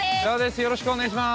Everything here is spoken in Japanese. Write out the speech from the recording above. よろしくお願いします。